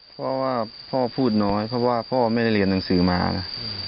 เพราะว่าพ่อพูดน้อยเพราะว่าพ่อไม่ได้เรียนหนังสือมานะ